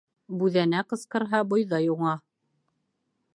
Бүҙәнә ҡысҡырһа, бойҙай уңа.